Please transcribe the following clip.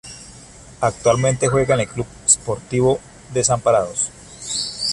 Actualmente juega en el Club Sportivo Desamparados.